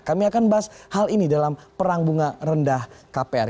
kami akan bahas hal ini dalam perang bunga rendah kpr